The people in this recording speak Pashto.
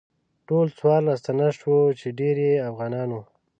ټول څوارلس تنه شوو چې ډیری یې افغانان وو.